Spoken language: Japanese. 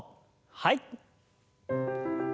はい。